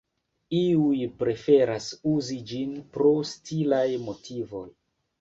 Iuj preferas uzi ĝin pro stilaj motivoj.